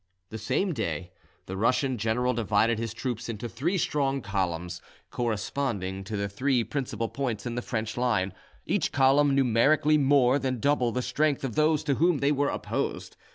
The same day the Russian general divided his troops into three strong columns, corresponding to the three principal points in the French line, each column numerically more than double the strength of those to whom they were opposed.